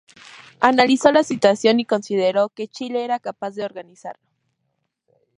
Analizó la situación y consideró que Chile era capaz de organizarlo.